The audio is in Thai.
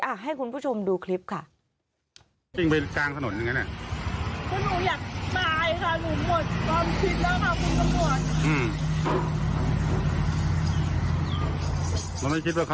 ให้คุณผู้ชมดูคลิปค่ะ